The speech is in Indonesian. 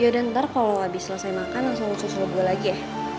yaudah ntar kalo lo abis selesai makan langsung ke susul gue lagi ya